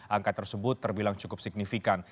angka tersebut terbilang cukup signifikan